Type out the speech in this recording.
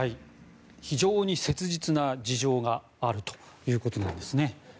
非常に切実な事情があるということなんですね。